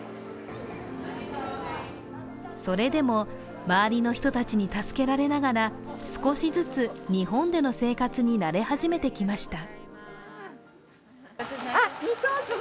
それでも、周りの人たちに助けられながら少しずつ日本での生活に慣れ始めてきました。